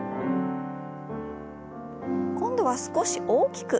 今度は少し大きく。